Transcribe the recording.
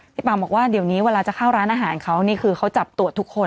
ป่าบอกว่าเดี๋ยวนี้เวลาจะเข้าร้านอาหารเขานี่คือเขาจับตรวจทุกคน